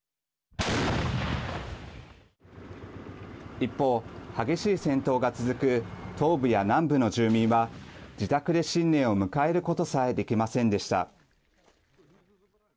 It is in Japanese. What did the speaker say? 一方、激しい戦闘が続く東部や南部の住民は自宅で新年を迎えることさえできませんでした。